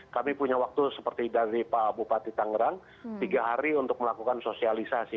kami punya waktu seperti dari pak bupati tangerang tiga hari untuk melakukan sosialisasi